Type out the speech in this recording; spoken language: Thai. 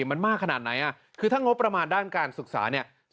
มันมากขนาดไหนคือถ้างบประมาณด้านการศึกษาเนี่ย